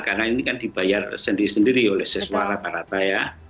karena ini kan dibayar sendiri sendiri oleh sesuara parata ya